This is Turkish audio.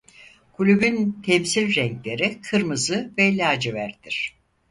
Kulübün temsil renkleri kırmızı ve laciverttir.